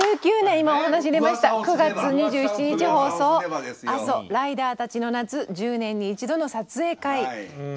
今お話出ました９月２７日放送「阿蘇・ライダーたちの夏１０年に一度の撮影会」です。